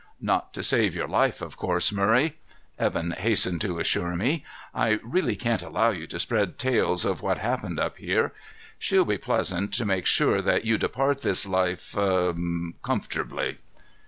"Not to save your life, of course, Murray," Evan hastened to assure me. "I really can't allow you to spread tales of what happened up here. She'll be pleasant to make sure that you depart this life, er comfortably."